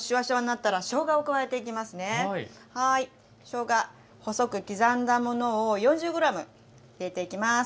しょうが細く刻んだものを４０ｇ入れていきます。